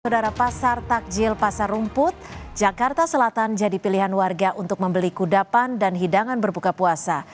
udara pasar takjil pasar rumput jakarta selatan jadi pilihan warga untuk membeli kudapan dan hidangan berbuka puasa